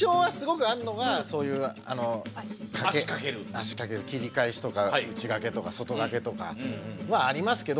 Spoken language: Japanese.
足かける切り返しとか内掛けとか外掛けとかはありますけど。